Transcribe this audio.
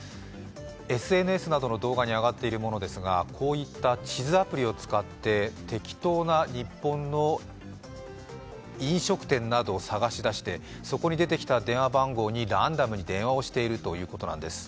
ＳＮＳなどの動画に上がっているものですがこういった地図アプリなどを使って適当な日本の飲食店などを探し出してそこに出てきた電話番号にランダムに電話をしているということなんです。